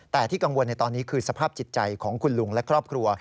แต่ที่กังวลในตอนนี้คือสภาพจิตใจของคุณลุงและครอบครัว